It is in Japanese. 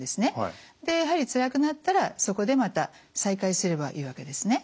でやはりつらくなったらそこでまた再開すればいいわけですね。